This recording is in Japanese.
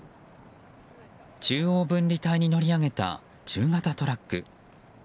中央分離帯に乗り上げた中型トラック。